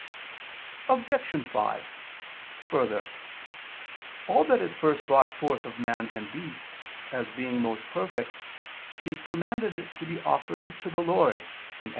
Obj. 5: Further, all that is first brought forth of man and beast, as being most perfect, is commanded to be offered to the Lord (Ex.